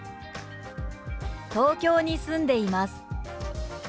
「東京に住んでいます」。